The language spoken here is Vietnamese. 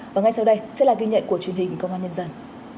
và ngay sau đây sẽ là ghi nhận của truyền hình công an nhân dân